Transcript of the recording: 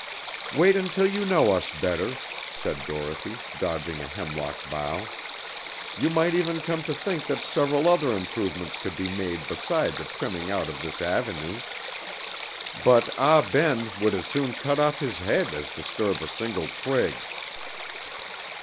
"Wait until you know us better," said Dorothy, dodging a hemlock bough; "you might even come to think that several other improvements could be made beside the trimming out of this avenue; but Ah Ben would as soon cut off his head as disturb a single twig."